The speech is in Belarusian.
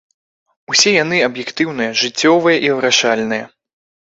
Усе яны аб'ектыўныя, жыццёвыя і вырашальныя.